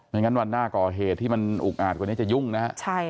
ไม่งั้นวันหน้ากอเหตุที่อุกอาดคนนี้จะยุ่งนะ